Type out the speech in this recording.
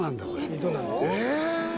井戸なんです。